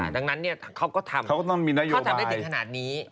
ดังนั้นเขาก็ทำได้ถึงขนาดนี้